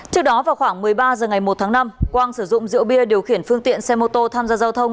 trước đó vào khoảng một mươi ba h ngày một tháng năm quang sử dụng rượu bia điều khiển phương tiện xe mô tô tham gia giao thông